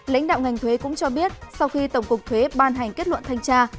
lãnh đạo ngành thuế cũng cho biết sau khi tổng cục thuế ban hành kết luận thanh tra